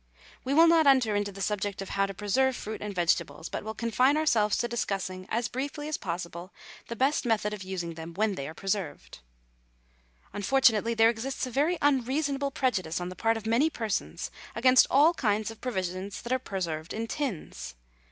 We will not enter into the subject of how to preserve fruit and vegetables, but will confine ourselves to discussing as briefly as possible the best method of using them when they are preserved. Unfortunately there exists a very unreasonable prejudice on the part of many persons against all kinds of provisions that are preserved in tins.